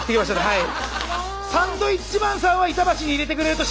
はい。